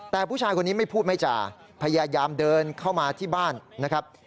แต่ผู้ชายคนนี้ไม่พูดไม่จ่าพยายามเดินเข้ามาที่บ้านนะครับ